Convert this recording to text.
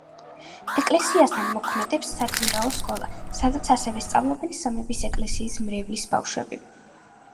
ეკლესიასთან მოქმედებს საკვირაო სკოლა, სადაც ასევე სწავლობენ სამების ეკლესიის მრევლის ბავშვები.